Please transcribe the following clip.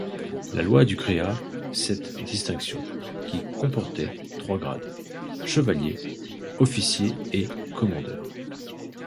La loi du créa cette distinction qui comportait trois grades, chevalier, officier et commandeur.